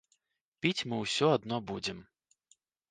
Піць мы ўсё адно будзем.